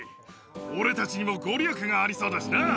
俺たちにも御利益がありそうだしな。